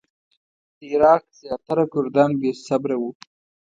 د عراق زیاتره کردان بې صبره وو.